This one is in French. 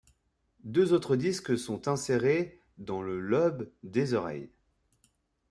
Deux autres disques sont insérés dans le lobe des oreilles.